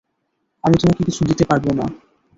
আমি তোমাকে কিছু দিতে পারব না।